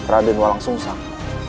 raden walang sungsang